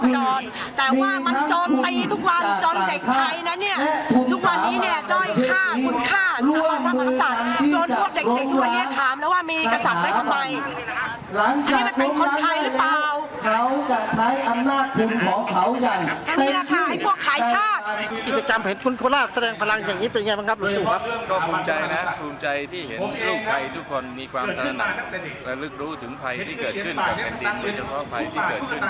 คุณข้านมันบรรทัพย์มันประสาทโจมตเด็กด้วยเนี่ยถามแล้วว่ามีกษัตริย์ไว้ทำไมนี่มันเป็นคนไทยหรือเปล่านี่แหละค่ะให้พวกขายชาติกิจกรรมเห็นคุณโคลาสแสดงพลังอย่างนี้เป็นยังไงบ้างครับหรืออยู่ครับก็ภูมิใจนะฮะภูมิใจที่เห็นลูกไทยทุกคนมีความทราบหน่าและลึกรู้ถึงภัยที่